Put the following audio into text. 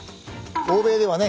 欧米ではね